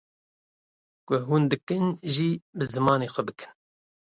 Ku hûn dikin jî bi zimanê xwe bikin